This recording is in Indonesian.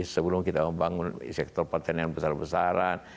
sebelum kita membangun sektor pertanian besar besaran